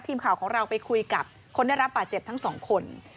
ทีมข่าวของเราไปคุยกับคนได้รับบาดเจ็บทั้งสองคน